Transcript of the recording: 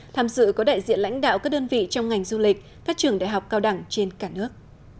tham dự có đại diện lãnh đạo các đơn vị trong ngành du lịch các trường đại học cao đẳng trên cả nước